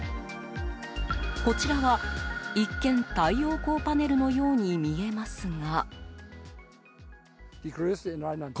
こちらは一見太陽光パネルのように見えますが。